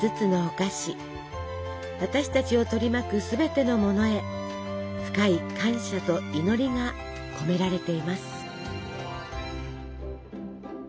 私たちを取り巻くすべてのものへ深い感謝と祈りが込められています。